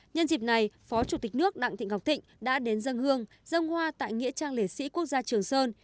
nhân dịp này phó chủ tịch nước đặng thị ngọc thịnh đã đến dân hương dân hoa tại nghĩa trang liệt sĩ quốc gia trường sơn